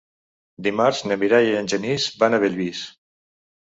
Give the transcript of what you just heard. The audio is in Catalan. Dimarts na Mireia i en Genís van a Bellvís.